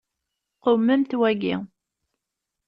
Qewmemt waki.